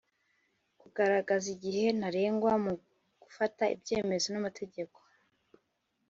kugaragaza igihe ntarengwa mu gufata ibyemezo n'amategeko